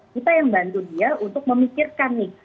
kita yang bantu dia untuk memikirkan nih